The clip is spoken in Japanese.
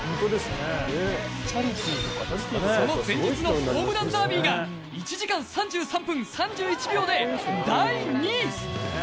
その前日のホームランダービーが１時間３３分３１秒で第２位。